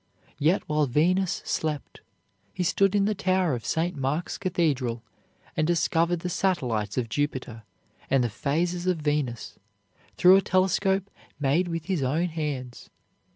Yet while Venice slept, he stood in the tower of St. Mark's Cathedral and discovered the satellites of Jupiter and the phases of Venus, through a telescope made with his own hands.